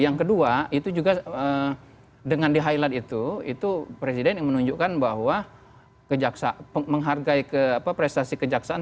yang kedua itu juga dengan di highlight itu itu presiden yang menunjukkan bahwa kejaksaan menghargai prestasi kejaksaan